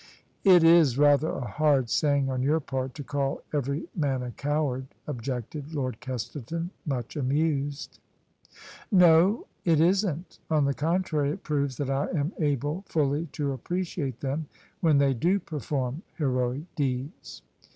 " It is rather a hard saying on your part to call every man a coward," objected Lord Kesterton, much amused. " No : it isn't : on the contrary it proves that I am able fully to appreciate them when they do perform heroic deeds.